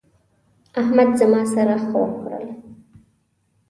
احمد زما سره ښه وکړل.